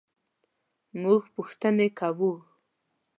مونږ پوښتنې کوو